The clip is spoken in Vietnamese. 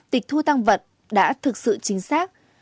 tịch thu tăng vật đã thực sự chính xác